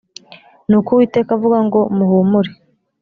ni ko uwiteka avuga ngo muhumure